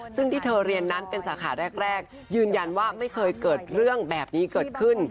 ซึ่งที่เธอเรียนนั้นเป็นสาขาแรกยืนยันว่าไม่เคยเกิดเรื่องแบบนี้เกิดขึ้น